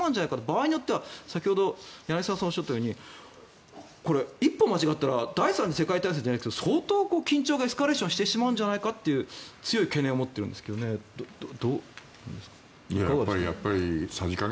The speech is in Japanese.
場合によっては先ほど柳澤さんがおっしゃったように一歩間違ったら第３次世界大戦じゃないですが相当緊張がエスカレーションしてしまうのではないかと強い懸念を持っているんですけどどう思いますか？